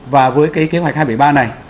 và với cái kế hoạch hai trăm bảy mươi ba này